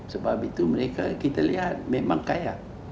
sebab itu kita lihat mereka memang kaya